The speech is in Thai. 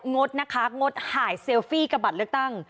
งดนะคะงดหายเซลฟี่กับบัตรเลือกตั้ง